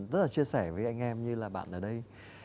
rất là chia sẻ với anh em như là bạn ở đây